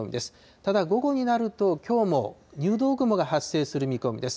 ただ午後になると、きょうも入道雲が発生する見込みです。